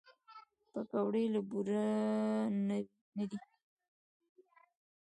پکورې له بوره نه دي